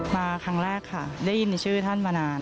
มาครั้งแรกค่ะได้ยินในชื่อท่านมานาน